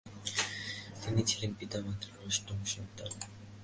তিনি ছিলেন পিতা-মাতার অষ্টম সন্তান ।